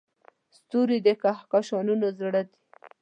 ستوري د کهکشانونو زړه دي.